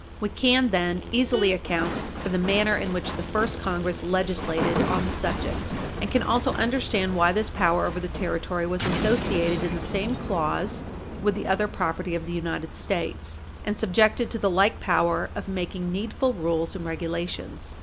We can, then, easily account for the manner in which the first Congress legislated on the subject and can also understand why this power over the territory was associated in the same clause with the other property of the United States, and subjected to the like power of making needful rules and regulations.